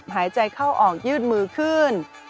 หายใจเข้าออกยืดมือขึ้น